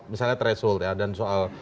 misalnya threshold ya dan soal